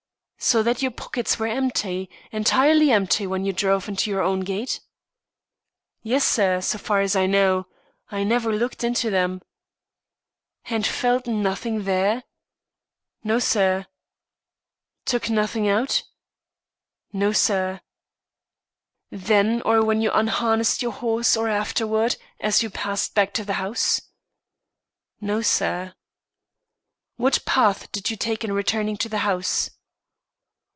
"So that your pockets were empty entirely empty when you drove into your own gate?" "Yes, sir, so far as I know. I never looked into them." "And felt nothing there?" "No, sir." "Took nothing out?" "No, sir." "Then or when you unharnessed your horse, or afterward, as you passed back to the house?" "No, sir." "What path did you take in returning to the house?"